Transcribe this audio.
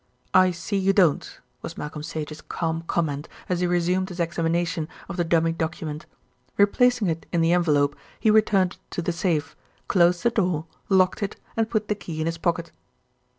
"I see you don't," was Malcolm Sage's calm comment as he resumed his examination of the dummy document. Replacing it in the envelope, he returned it to the safe, closed the door, locked it, and put the key in his pocket.